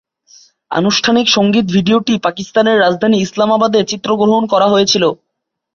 আনুষ্ঠানিক সংগীত ভিডিওটি পাকিস্তানের রাজধানী ইসলামাবাদে চিত্রগ্রহণ করা হয়েছিল।